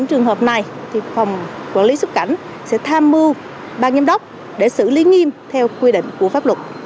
trong trường hợp này phòng quản lý xuất cảnh sẽ tham mưu bang giám đốc để xử lý nghiêm theo quy định của pháp luật